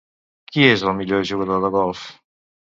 Qui és el millor jugador de golf?